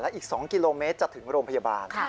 อีก๒กิโลเมตรจะถึงโรงพยาบาล